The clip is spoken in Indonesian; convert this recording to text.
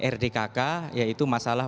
rdkk yaitu masalah